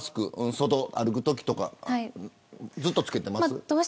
外歩くときとかずっと着けてますか。